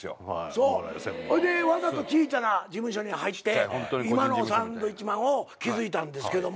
そうほいでわざとちいちゃな事務所に入って今のサンドウィッチマンを築いたんですけども。